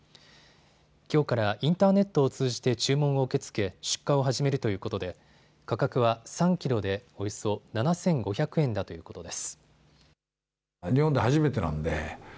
きょうからインターネットを通じて注文を受け付け出荷を始めるということで価格は３キロでおよそ７５００円だということです。